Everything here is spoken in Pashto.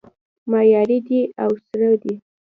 معیاري دی او سره دی